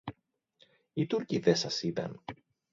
Οι Τούρκοι δε σας είδαν;